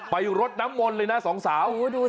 รดน้ำมนต์เลยนะสองสาว